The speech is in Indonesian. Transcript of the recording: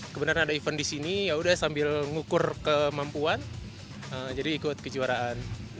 kebenarnya ada event disini yaudah sambil ngukur kemampuan jadi ikut kejuaraan